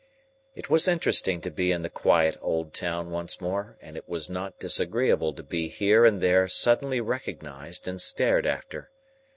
It was interesting to be in the quiet old town once more, and it was not disagreeable to be here and there suddenly recognised and stared after.